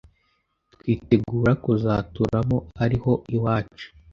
twitegura kuzaturamo ari ho iwacu.